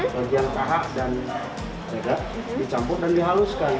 daging yang kakak dan tega dicampur dan dihaluskan